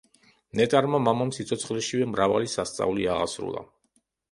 ნეტარმა მამამ სიცოცხლეშივე მრავალი სასწაული აღასრულა.